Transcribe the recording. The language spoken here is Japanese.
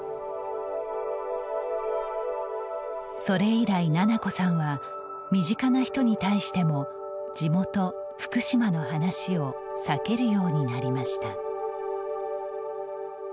それ以来、菜々子さんは身近な人に対しても地元・福島の話を避けるようになりました。